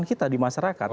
kita di masyarakat